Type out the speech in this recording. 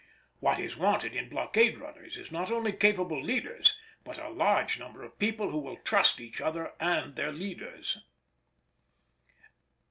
What is wanted in blockade runners is not only capable leaders, but a large number of people who will trust each other and their leaders.